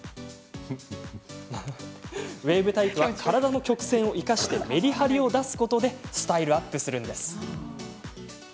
ウエーブタイプは体の曲線を生かしてメリハリを出すことでスタイルアップするんです。